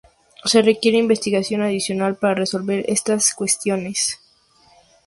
Se requiere investigación adicional para resolver estas cuestiones.